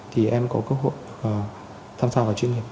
thì em có cơ hội tham gia vào chuyên nghiệp